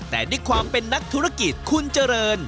แต่ด้วยความเป็นนักธุรกิจคุณเจริญ